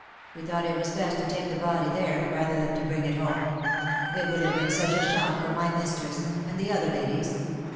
We thought it was hest to take the body there — rather than to bring it home. It would have been such a shock for my mistress — and the other ladies.